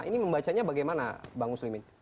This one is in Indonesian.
ini membacanya bagaimana bang muslim ini